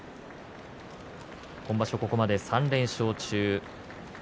今場所、ここまで３連勝中。